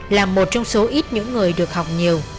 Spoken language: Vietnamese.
là một trong số ít những người được học nhiều